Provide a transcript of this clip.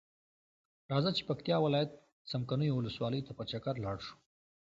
راځۀ چې پکتیا ولایت څمکنیو ولسوالۍ ته په چکر لاړشو.